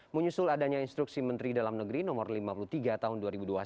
menyusul adanya instruksi menteri dalam negeri no lima puluh tiga tahun dua ribu dua puluh satu